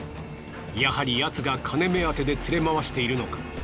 やはりヤツが金目当てでつれ回しているのか？